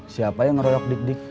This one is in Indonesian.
siapa yang ngeroyok dik dik